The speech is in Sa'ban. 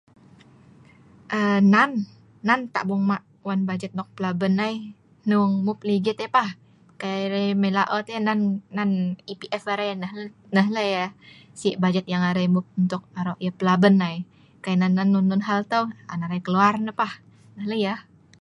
Aaa nan nan tak bongma wan bajet nok belaben ai, hnong mup ligit ai pah. Kai arai mai laot yah nan, nan ipf arai nah lah yah si bajet yang arai mup utk aro' yah pelaben ai. Kai Nan Nan non non hal tau, an arai keluar nah pah, nonoh lah yah